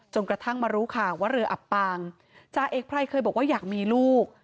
กระทั่งมารู้ข่าวว่าเรืออับปางจ่าเอกไพรเคยบอกว่าอยากมีลูก